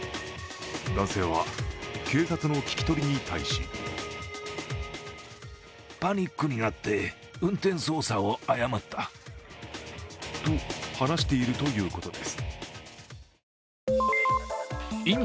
男性は、警察の聞き取りに対しと話しているということです。